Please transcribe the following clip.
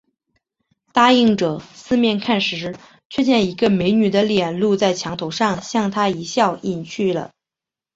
答应着，四面看时，却见一个美女的脸露在墙头上，向他一笑，隐去了